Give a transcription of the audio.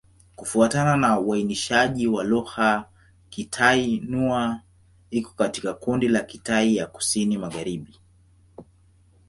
Kufuatana na uainishaji wa lugha, Kitai-Nüa iko katika kundi la Kitai ya Kusini-Magharibi.